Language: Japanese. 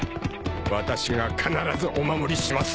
私が必ずお守りします。